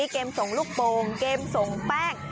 เกมส่งลูกโป่งเกมส่งแป้ง